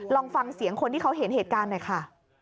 ลองฟังเสียงคนที่เขาเห็นเหตุการณ์หน่อยค่ะ